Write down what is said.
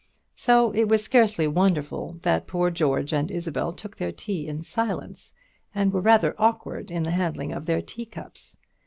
So it was scarcely wonderful that poor George and Isabel took their tea in silence, and were rather awkward in the handling of their teacups.